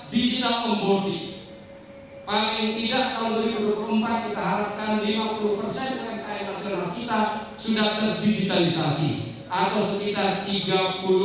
bagaimana menurut anda